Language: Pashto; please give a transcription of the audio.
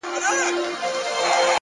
سیاه پوسي ده ـ ورځ نه ده شپه ده ـ